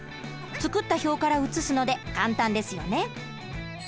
作った表から写すので簡単ですよね。